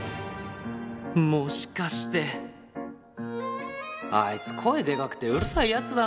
もしかしてあいつ声でかくてうるさいヤツだな。